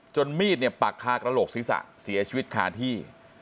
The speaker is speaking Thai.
จนมีดปักคากระโหลกศิษฐะเสียชีวิตคาที่